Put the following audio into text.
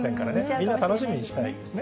みんな楽しみにしてたらいいですね。